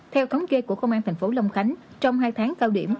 theo thống kê của công an thành phố long khánh trong hai tháng cao điểm